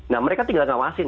nah mereka tinggal ngawasin